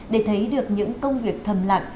để thấy được những công việc thầm lặng